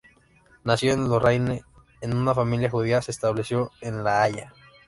Nacido en Lorraine en una familia judía, se estableció en La Haya.